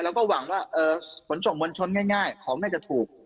แล้วก็หวังว่าเอ่อสนส่งบนชนง่ายง่ายของน่าจะถูก